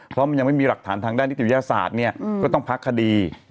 เพราะมันยังไม่มีหลักฐานทางด้านนิติวิทยาศาสตร์เนี่ยก็ต้องพักคดี